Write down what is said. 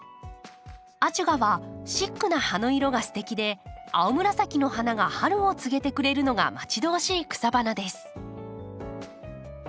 「アジュガ」はシックな葉の色がすてきで青紫の花が春を告げてくれるのが待ち遠しい草花です。